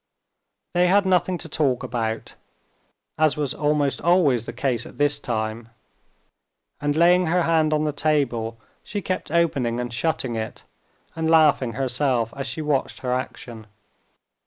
They had nothing to talk about, as was almost always the case at this time, and laying her hand on the table she kept opening and shutting it, and laughed herself as she watched her action.